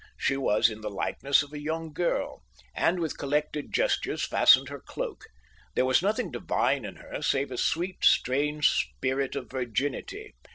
She was in the likeness of a young girl, and with collected gesture fastened her cloak. There was nothing divine in her save a sweet strange spirit of virginity.